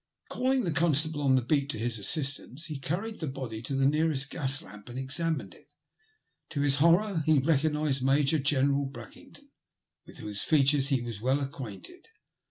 GaUing the constable on the beat to his assistance, he carried the body to the nearest gas lamp and examined it. To his horror he recognised Major General BracMngton, with whose features he was well acquainted.